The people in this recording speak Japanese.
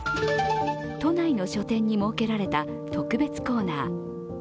都内の書店に設けられた特別コーナー。